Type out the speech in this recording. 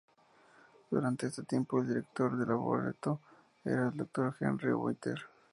Durante este tiempo el director del arboreto era el Dr. "Henry O. Whittier".